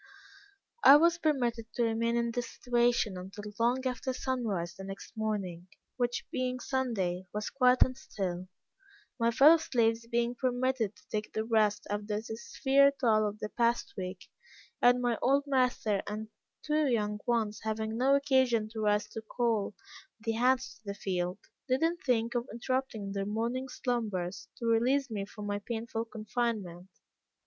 "I was permitted to remain in this situation until long after sunrise the next morning, which being Sunday, was quiet and still; my fellow slaves being permitted to take their rest after the severe toil of the past week, and my old master and two young ones having no occasion to rise to call the hands to the field, did not think of interrupting their morning slumbers, to release me from my painful confinement.